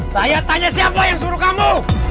saya tanya siapa yang suruh kamu